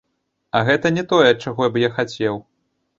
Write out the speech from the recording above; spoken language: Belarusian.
А гэта не тое, чаго б я хацеў.